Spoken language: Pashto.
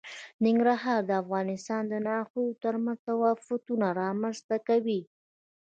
ننګرهار د افغانستان د ناحیو ترمنځ تفاوتونه رامنځ ته کوي.